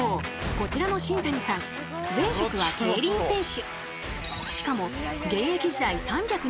こちらの新谷さん前職は競輪選手。